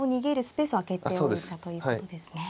スペースを空けておいたということですね。